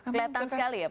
kelihatan sekali ya